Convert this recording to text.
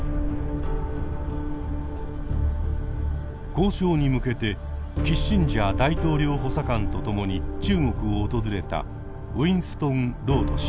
交渉に向けてキッシンジャー大統領補佐官と共に中国を訪れたウィンストン・ロード氏。